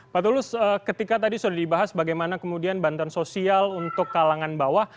pak tulus ketika tadi sudah dibahas bagaimana kemudian bantuan sosial untuk kalangan bawah